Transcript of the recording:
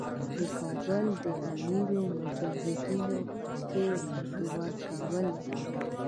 د کابل امیر مجاهدینو ته پیسې ورکولې.